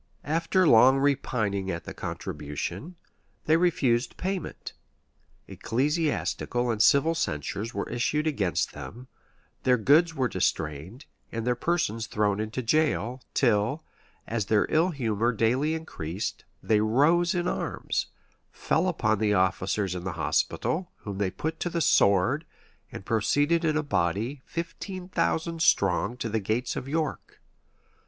After long repining at the contribution, they refused payment: ecclesiastical and civil censures were issued against them, their goods were distrained, and their persons thrown into jail: till, as their ill humor daily increased, they rose in arms; fell upon the officers of the hospital, whom they put to the sword; and proceeded in a body, fifteen thousand strong, to the gates of York.